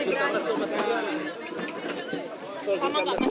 sama gak mas tokohnya mas